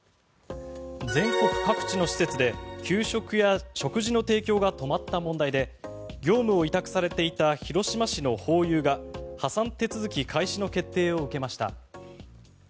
全国各地の施設で給食や食事の提供が止まった問題で業務を委託されていた広島市のホーユーが破産手続き開始の決定を受けました。